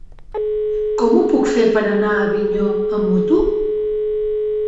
Com ho puc fer per anar a Avinyó amb moto?